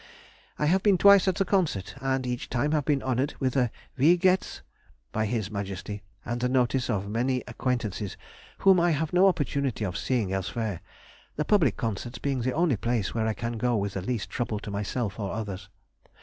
I have been twice at the concert, and each time been honoured with a wie gehts? by His Majesty, and the notice of many acquaintances whom I have no opportunity of seeing elsewhere, the public concerts being the only place where I can go with the least trouble to myself or others.